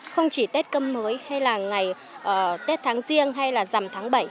không chỉ tết cơm mới hay là ngày tết tháng riêng hay là dầm tháng bảy